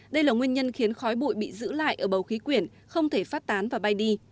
đây là nguyên nhân khiến khói bụi bị giữ lại ở bầu khí quyển không thể phát tán và bay đi